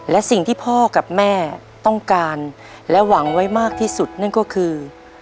และสิ่งที่พ่อกับแม่ต้องการและหวังไว้มากที่สุดนั่นก็คือ